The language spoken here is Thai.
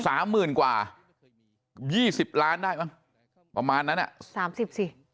สามหมื่นกว่ายี่สิบล้านได้มั้งประมาณนั้นอ่ะสามสิบสิ